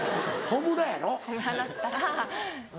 『炎』だったら